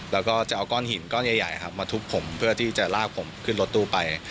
แล้วก็จะเอาก้อนหินก้อนใหญ่มาทุบผมเพื่อที่จะลากผมขึ้นรถตู้ไป